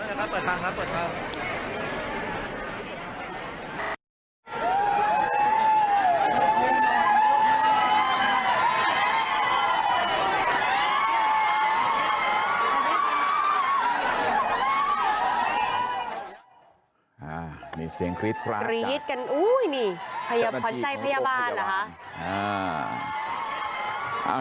อ่ามีเสียงกรี๊ดกรี๊ดกันอุ้ยนี่พยาบาลหรอฮะอ่า